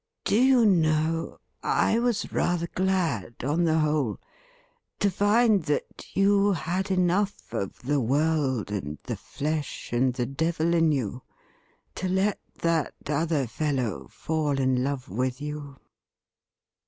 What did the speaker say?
Do you know, I was rather glad, on the whole, to find that you had enough of the world, and the flesh, and the devil in you to let that other fellow fall in love with you